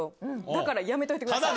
だからやめといてください。